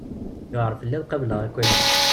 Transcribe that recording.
Yuɛer fell-i ad qableɣ akk aya!